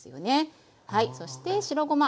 そして白ごま。